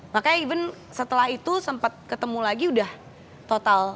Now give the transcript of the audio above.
makanya even setelah itu sempat ketemu lagi udah total